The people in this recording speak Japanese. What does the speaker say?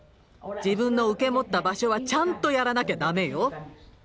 自分の受け持った場所はちゃんとやらなきゃダメよ。